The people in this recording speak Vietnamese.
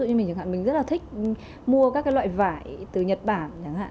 như mình chẳng hạn mình rất là thích mua các loại vải từ nhật bản